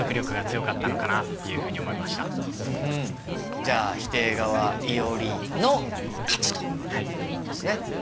じゃあ否定側いおりの勝ちということですね。